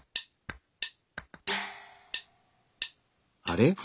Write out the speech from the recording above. あれ？